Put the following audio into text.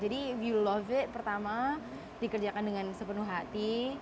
jadi jika kamu suka pertama dikerjakan dengan sepenuh hati